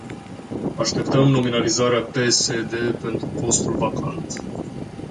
Așteptăm nominalizarea pe se de pentru postul vacant.